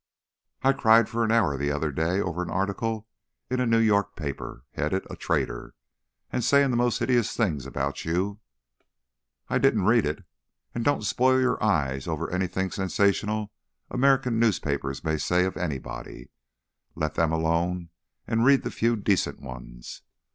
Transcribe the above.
I cried for an hour the other day over an article in a New York paper, headed 'A Traitor,' and saying the most hideous things about you." "I didn't read it. And don't spoil your eyes over anything sensational American newspapers may say of anybody; let them alone and read the few decent ones.